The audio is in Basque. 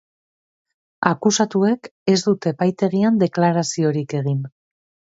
Akusatuek ez dute epaitegian deklaraziorik egin.